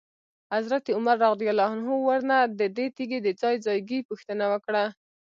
حضرت عمر رضی الله عنه ورنه ددې تیږي د ځای ځایګي پوښتنه وکړه.